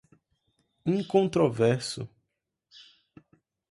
incontroverso